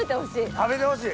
食べてほしい！